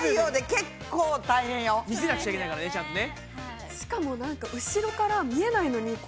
見せなくちゃいけないからねちゃんとね。